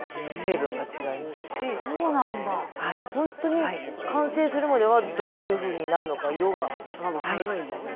ほんとに完成するまではどういうふうになるのか色が分からないんですね。